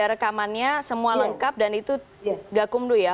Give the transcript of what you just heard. di rekamannya semua lengkap dan itu gak kumdu ya